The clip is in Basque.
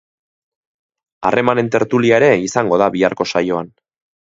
Harremanen tertulia ere izango da biharko saioan.